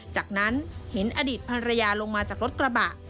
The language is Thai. จากนั้นเห็นอดีตภรรยาลงมาจากรถกระบะ